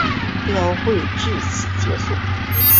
标会至此结束。